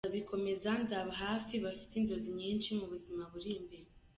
Nzabikomeza, nzababa hafi bafite inzozi nyinshi mu buzima buri imbere.